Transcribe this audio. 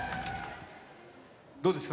どうですか？